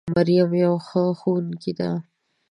مريم يوه ښه ښوونکې ده